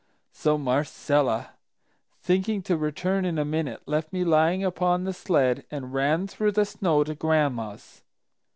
So Marcella, thinking to return in a minute, left me lying upon the sled and ran through the snow to Gran'ma's.